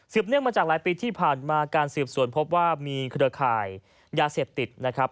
เนื่องมาจากหลายปีที่ผ่านมาการสืบสวนพบว่ามีเครือข่ายยาเสพติดนะครับ